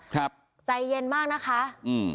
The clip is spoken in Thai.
ครับใจเย็นมากนะคะอืม